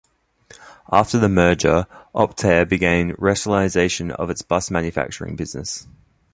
After the merger, Optare began rationalisation of its bus manufacturing business.